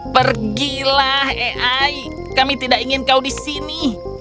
pergilah ai kami tidak ingin kau di sini